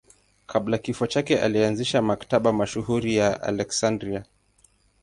Kabla ya kifo chake alianzisha Maktaba mashuhuri ya Aleksandria.